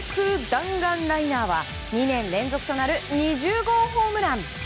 弾丸ライナーは２年連続となる２０号ホームラン。